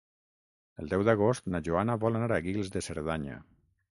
El deu d'agost na Joana vol anar a Guils de Cerdanya.